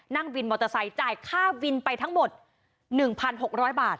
นั่งวินมอเตอร์ไซค์จ่ายค่าวินไปทั้งหมด๑๖๐๐บาท